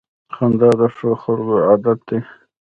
• خندا د ښو خلکو عادت دی.